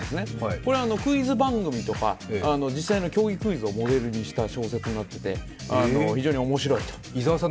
これはクイズ番組とか実際の競技クイズをモデルにした小説になっていて、非常に面白いと。